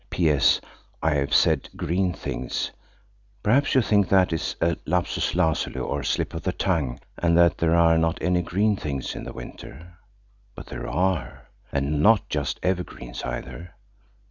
(PS.–I have said green things: perhaps you think that is a lapsus lazuli, or slip of the tongue, and that there are not any green things in the winter. But there are. And not just evergreens either.